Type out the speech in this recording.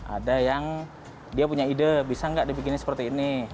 ada yang dia punya ide bisa nggak dibikinnya seperti ini